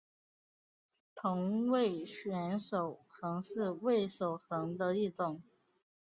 同位旋守恒是味守恒的一种。